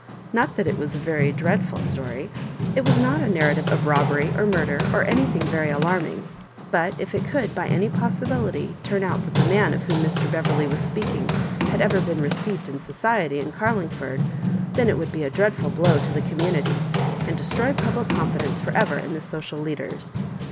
Not that it was a very dreadful story. It was not a narrative of robbery or murder, or anything very alarming; but if it could by any possibility turn out that the man of whom Mr. Beverley was speaking had ever been received in society in Garlingford, then it would be a dreadful blow to the community, and destroy public confidence for ever in the social leaders.